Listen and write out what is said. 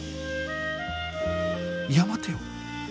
いや待てよ。